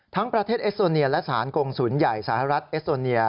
ประเทศเอสโตเนียและสารกงศูนย์ใหญ่สหรัฐเอสโตเนีย